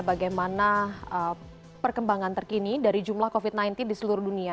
bagaimana perkembangan terkini dari jumlah covid sembilan belas di seluruh dunia